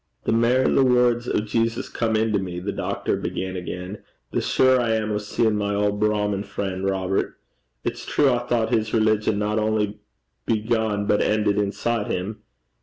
'The mair the words o' Jesus come into me,' the doctor began again, 'the surer I am o' seein' my auld Brahmin frien', Robert. It's true I thought his religion not only began but ended inside him.